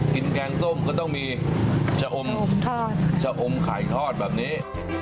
กินแกงส้มก็ต้องชอมไข่ทอดแบบนี้